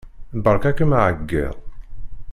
Beṛka-kem aɛeyyeḍ.